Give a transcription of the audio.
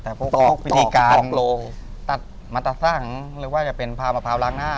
แต่พวกวิธีการตัดมาตัดสังหรือว่าจะเป็นพามะพร้าวล้างหน้า